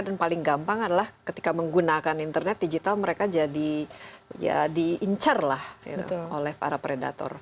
dan paling gampang adalah ketika menggunakan internet digital mereka jadi ya diincar lah oleh para predator